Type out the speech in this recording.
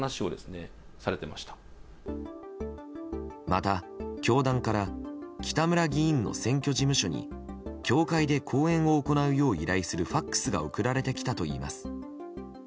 また教団から北村議員の選挙事務所に協会で講演を行うよう依頼するＦＡＸが送られてきたといいます。